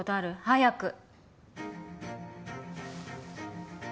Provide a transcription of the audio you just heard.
早く！